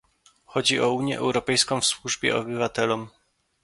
Chodzi o Unię Europejską w służbie obywatelom